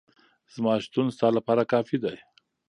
زما شتون ستا لپاره کافي دی.